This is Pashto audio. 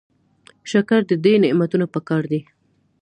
شکر د دې نعمتونو پکار دی.